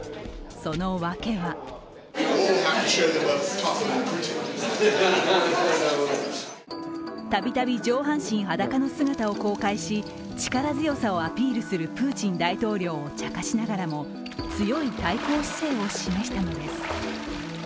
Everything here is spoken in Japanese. その訳はたびたび上半身裸の姿を公開し力強さをアピールするプーチン大統領をちゃかしながらも強い対抗姿勢を示したのです。